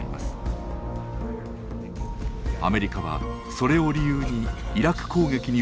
アメリカはそれを理由にイラク攻撃に踏み切る構えでした。